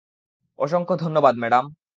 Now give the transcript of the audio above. অসংখ্য ধন্যবাদ, ম্যাডাম।